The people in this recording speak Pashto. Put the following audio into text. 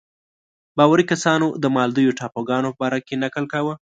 باوري کسانو د مالدیو ټاپوګانو په باره کې نکل کاوه.